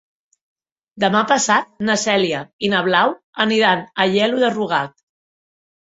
Demà passat na Cèlia i na Blau aniran a Aielo de Rugat.